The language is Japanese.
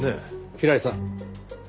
平井さん。